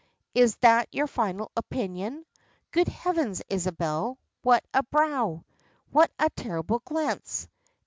Is that your final opinion? Good heavens! Isabel, what a brow! What a terrible glance!